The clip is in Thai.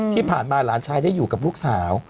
ที่ผ่านมาหลานชายได้อยู่กับลูกสาว